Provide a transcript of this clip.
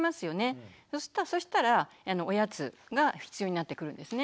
そしたらおやつが必要になってくるんですね。